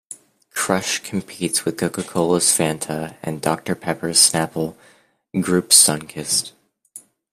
Crush competes with Coca-Cola's Fanta, and Doctor Pepper Snapple Group's Sunkist.